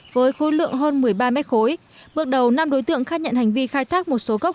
với khối lượng hơn một mươi ba mét khối bước đầu năm đối tượng khai nhận hành vi khai thác một số gốc